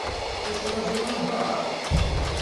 La tettṛajuḍ albaɛḍ?